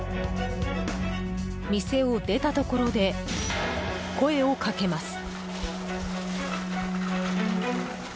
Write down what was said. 店を出たところで声をかけます。